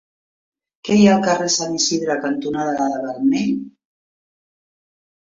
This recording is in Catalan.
Què hi ha al carrer Sant Isidre cantonada Allada-Vermell?